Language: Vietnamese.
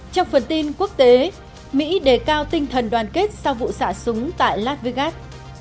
trong phần tin quốc tế mỹ đề cao tinh thần đoàn kết sau vụ xả súng tại las vegas